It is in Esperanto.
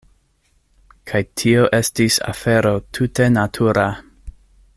Kaj tio estis afero tute natura.